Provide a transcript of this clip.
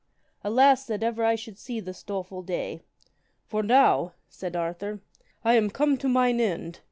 Alas that ever I should see this doleful day. For now, said Arthur, I am come to mine end.